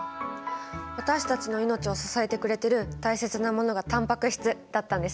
私たちの命を支えてくれてる大切なものがタンパク質だったんですね。